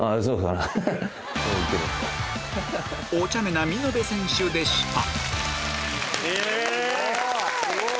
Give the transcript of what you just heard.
おちゃめな見延選手でしたすごい！